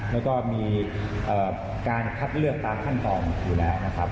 แล้วก็มีการคัดเลือกตามขั้นตรองขวีแหละนะครับ